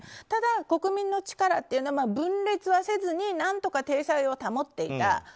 ただ、国民の力というのは分裂はせずに何とか体裁を保っていた。